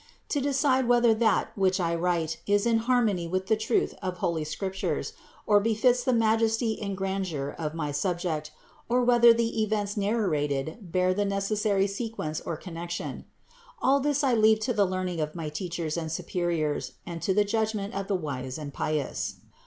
To decide whether that which I write is in har mony with the truth of holy Scriptures, or befits the majesty and grandeur of my subject, or whether the events narrated bear the necessary sequence or connec tion : all this I leave to the learning of my teachers and superiors and to the judgment of the wise and pious.